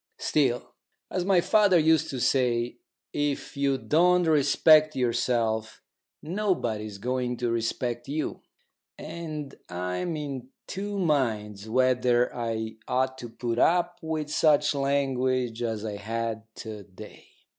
Still, as my father used to say, if you don't respect yourself, nobody is going to respect you, and I'm in two minds whether I ought to put up with such language as I had to day.